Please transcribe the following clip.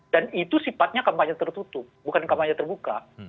dan itu sifatnya kampanye tertutup bukan kampanye terbuka